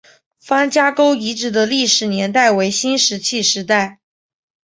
方家沟遗址的历史年代为新石器时代。